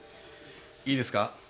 いいですか。